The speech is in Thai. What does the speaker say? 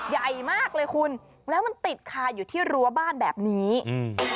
ใหญ่มากเลยคุณแล้วมันติดคาอยู่ที่รั้วบ้านแบบนี้อืม